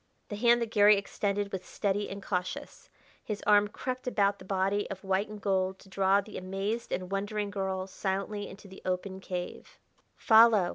The hand that Garry extended was steady and cautious; his arm crept about the body of white and gold to draw the amazed and wondering girl silently into the open cave. "Follow!"